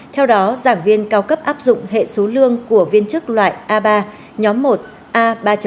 theo đó giảng viên cao cấp áp dụng hệ số lương của viên chức loại a ba nhóm một a ba